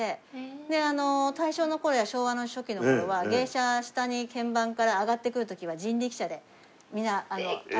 で大正の頃や昭和の初期の頃は芸者下に見番から上がってくる時は人力車でみんな上がってくる。